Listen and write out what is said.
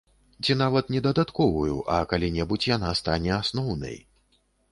Ці нават не дадатковую, а калі-небудзь яна стане асноўнай.